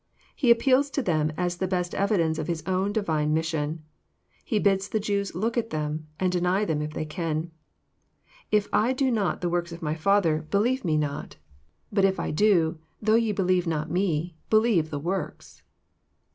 He appeals to them as the best evidence of His own Divine mission. He bids the Jews look at them, and deny them if they can. " If I do not the works of my Father, believe 10 218 EXPOSITOET THOUGHTS. me not. But if I do, though ye believe not Me, believe the works."